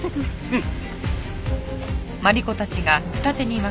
うん。